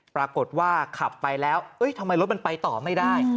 ปรากฏว่าขับไปแล้วทำไมรถมันไปต่อไม่ได้